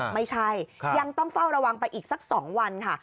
ไม่ใช่ยังต้องเฝ้าระวังไปอีกสัก๒วันค่ะ